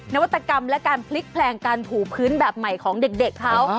นวัตกรรมและการพลิกแพลงการถูพื้นแบบใหม่ของเด็กเขา